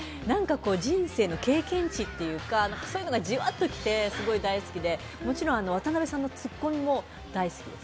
人生の経験値っていうか、そういうのがじわっときて、すごい大好きで渡辺さんのツッコミも大好きです。